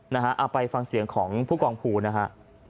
เอาไปฟังเสียงของผู้กองภูนะฮะ